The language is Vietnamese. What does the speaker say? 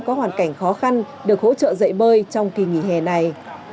có hoàn cảnh khó khăn được hỗ trợ dạy bơi trong kỳ nghỉ hè này